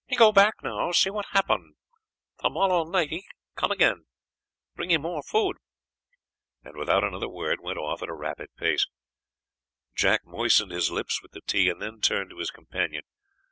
"Me go back now, see what happen. Tomollow nightee come again bringee more food." And without another word went off at a rapid pace. Jack moistened his lips with the tea, and then turned to his companion.